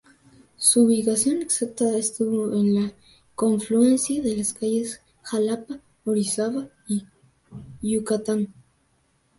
Su ubicación exacta estuvo en la confluencia de las calles Jalapa, Orizaba y Yucatán.